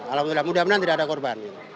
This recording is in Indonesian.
alhamdulillah mudah mudahan tidak ada korban